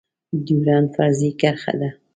ډيورنډ فرضي کرښه ده